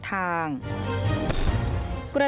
สวัสดีครับ